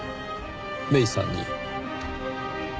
芽依さんに。